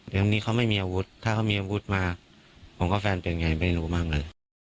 อย่างนี้เค้าไม่มีอาวุธถ้าเค้ามีอาวุธมาผมก็แฟนเป็นยังไงไม่รู้มากเลย